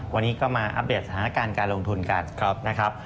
วันนี้ก็มาอัปเดตสถานการณ์การลงทุนกันนะครับ